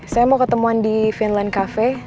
saya mau ketemuan di finland cafe